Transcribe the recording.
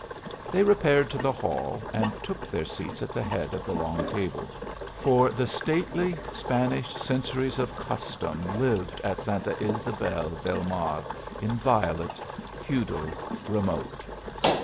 They repaired to the hall and took their seats at the head of the long table. For the stately Spanish centuries of custom lived at Santa Ysabel del Mar, inviolate, feudal, remote.